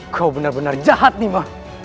kau benar benar jahat nima